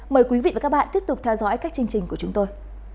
mời quý vị và các bạn tiếp tục theo dõi các chương trình của chúng tôi